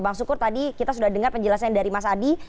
bang sukur tadi kita sudah dengar penjelasan dari mas adi